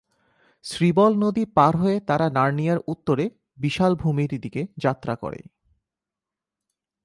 স্রিবল নদী পার হয়ে তারা নার্নিয়ার উত্তরে বিশাল-ভূমির দিকে যাত্রা করে।